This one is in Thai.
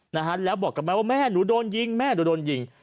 นะฮะแล้วบอกกับแม่ว่าแม่หนูโดนยิงแม่หนูโดนยิง